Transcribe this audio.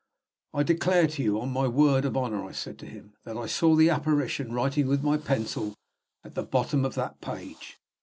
"I declare to you, on my word of honor," I said to him, "that I saw the apparition writing with my pencil at the bottom of that page.